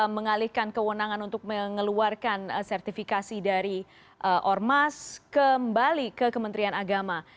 mengalihkan kewenangan untuk mengeluarkan sertifikasi dari ormas kembali ke kementerian agama